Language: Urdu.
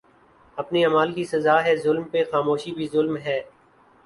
اپنے اعمال کی سزا ہے ظلم پہ خاموشی بھی ظلم ہے